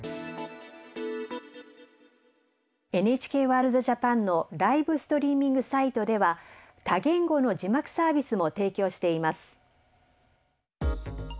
「ＮＨＫワールドＪＡＰＡＮ」のライブストリーミングサイトでは多言語の字幕サービスも提供しています。